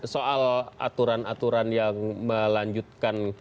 soal aturan aturan yang melanjutkan